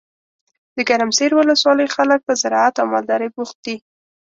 دګرمسیر ولسوالۍ خلګ په زراعت او مالدارۍ بوخت دي.